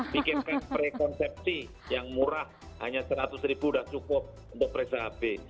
bikin pre konsepsi yang murah hanya seratus ribu sudah cukup untuk presa hb